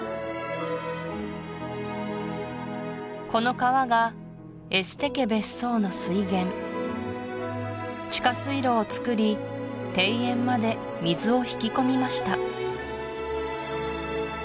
この川がエステ家別荘の水源地下水路を造り庭園まで水を引き込みました